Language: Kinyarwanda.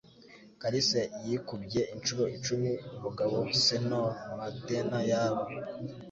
Kalisa yikubye inshuro icumi umugabo Señor Medena yaba.